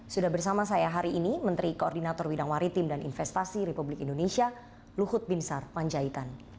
sudah bersama saya hari ini menteri koordinator bidang maritim dan investasi republik indonesia luhut binsar panjaitan